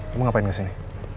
kamu ngapain kesini